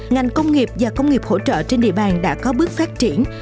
ngành công nghiệp và công nghiệp hỗ trợ trên địa bàn đã có bước phát triển